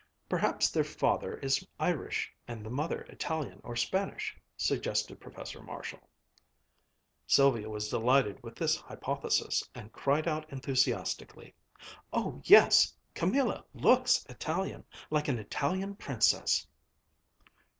"Perhaps their father is Irish and the mother Italian or Spanish," suggested Professor Marshall. Sylvia was delighted with this hypothesis, and cried out enthusiastically, "Oh yes Camilla looks Italian like an Italian princess!"